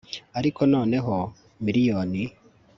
ariko noneho miliyoni